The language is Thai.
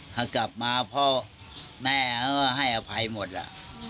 ถ้ากลับมาพ่อแม่เขาก็ให้อภัยหมดอ่ะ